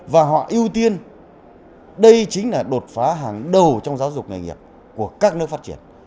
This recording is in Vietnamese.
và họ ưu tiên đây chính là đột phá hàng đầu trong giáo dục nghề nghiệp của các nước phát triển